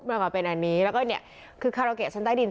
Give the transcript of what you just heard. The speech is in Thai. มันมาเป็นอันนี้แล้วก็เนี่ยคือคาราเกะชั้นใต้ดิน